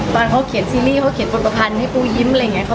ตอนเค้าเขียนซีรีส์เค้าเขียนปฎมาพันจ์ให้กูยิ้ม